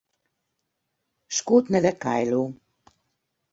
Skót neve Kyloe.